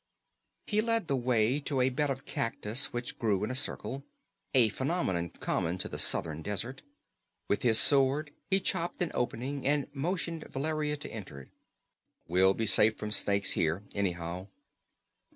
He led the way to a bed of cactus which grew in a circle a phenomenon common to the southern desert. With his sword he chopped an opening, and motioned Valeria to enter. "We'll be safe from snakes here, anyhow."